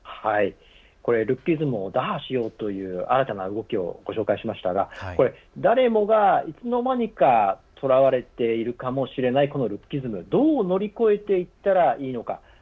ルッキズムを打破しようという新たな動きをご紹介しましたが誰もが、いつの間にかとらわれているかもしれないルッキズムどう乗り越えていったらいいのか。